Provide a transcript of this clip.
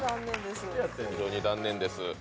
非常に残念です。